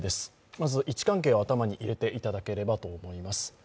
まず位置関係を頭に入れていただければと思います。